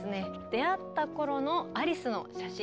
出会った頃のアリスの写真です。